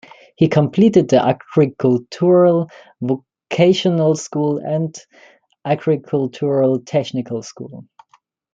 He completed the agricultural vocational school and an agricultural technical school.